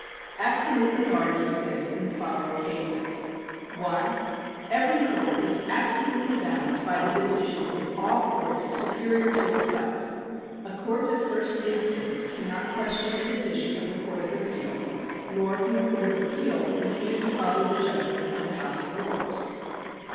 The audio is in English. Absolute authority exists in the following cases :— (1) Every court is absolutely bound by the decisions of all courts superior to itself. A court of first instance cannot question a decision of the Court of Appeal, nor can the Court of Appeal refuse to follow the judgments of the House of Lords.